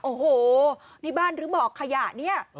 โอ้โหนี่บ้านหรือหมอกขยะเนี่ย